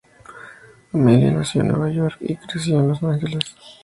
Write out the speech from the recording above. Amelia nació en Nueva York y creció en Los Ángeles.